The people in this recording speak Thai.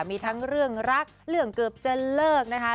มีทั้งเรื่องรักเรื่องเกือบจะเลิกนะคะ